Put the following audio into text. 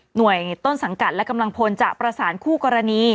ต้นสังกัดและกำลังพลจะประสานคู่กรณี